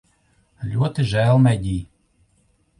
Ļoti žēl, Megij